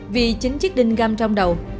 vì chính chiếc đinh găm trong đầu